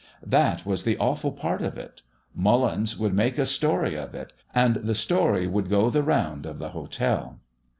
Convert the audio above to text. That was the awful part of it. Mullins would make a story of it, and the story would go the round of the hotel.